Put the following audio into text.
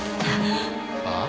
ああ？